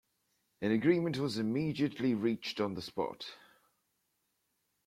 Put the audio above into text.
An agreement was immediately reached on the spot.